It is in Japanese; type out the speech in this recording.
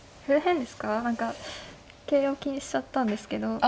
これ早いですか何か桂を気にしちゃったんですけど。